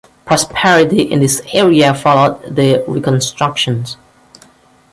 Prosperity in this area followed the Reconstruction.